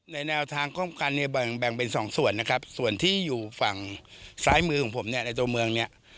แนวทางป้องกันเนี่ยแบ่งเป็นสองส่วนนะครับส่วนที่อยู่ฝั่งซ้ายมือของผมเนี่ยในตัวเมืองเนี่ย